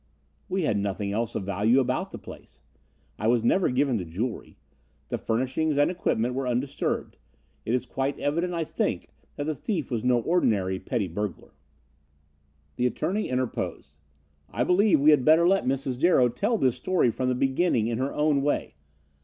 "We had nothing else of value about the place. I was never given to jewelry. The furnishings and equipment were undisturbed. It is quite evident, I think, that the thief was no ordinary petty burglar." The attorney interposed: "I believe we had better let Mrs. Darrow tell this story from the beginning in her own way.